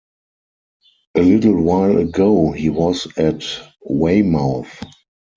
A little while ago, he was at Weymouth.